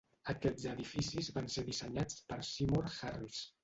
Aquests edificis van ser dissenyats per Seymour Harris.